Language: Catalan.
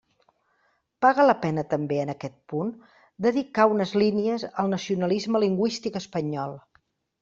Paga la pena també en aquest punt dedicar unes línies al nacionalisme lingüístic espanyol.